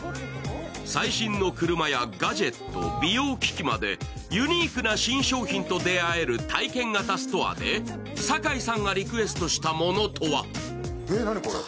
最新の車やガジェット、美容機器までユニークな新商品と出会える体験型ストアで酒井さんがリクエストしたものとは？